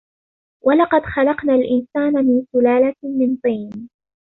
ولقد خلقنا الإنسان من سلالة من طين